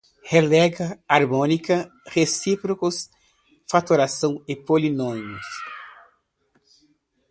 Relega, harmônica, recíprocos, fatoração, polinômio